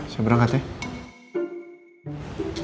saya berangkat ya